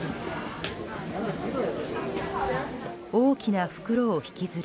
大きな袋を引きずる